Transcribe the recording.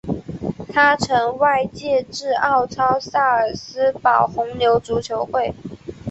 他曾外借至奥超萨尔斯堡红牛足球会。